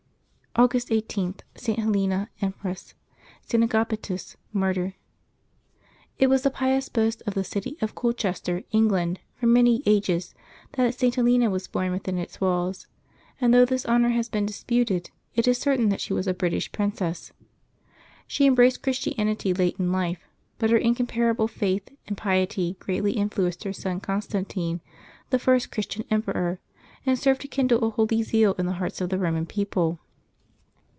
August i8.— ST. HELENA, Empress; ST. AGAPE TUS, Martyr. IT was the pious boast of the city of Colchester, Eng land, for many ages, that St. Helena was born within its walls; and though this honor has been disputed, it is certain that she was a British princess. She embraced Christianity late in life; but her incomparable faith and piety greatly influenced her son Constantine, the first Chris tian emperor, and served to kindle a holy zeal in the August 18] LIVES OF THE SAINTS 285 hearts of the Eoman people.